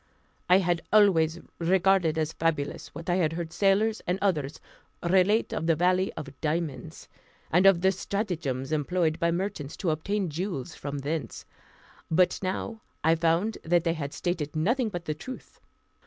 I had always regarded as fabulous what I had heard sailors and others relate of the valley of diamonds, and of the stratagems employed by merchants to obtain jewels from thence; but now I found that they had stated nothing but the truth.